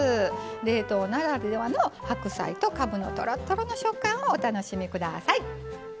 冷凍ならではの白菜とかぶのとろっとろの食感をお楽しみください。